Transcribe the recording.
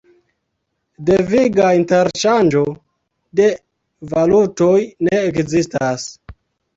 Deviga interŝanĝo de valutoj ne ekzistas.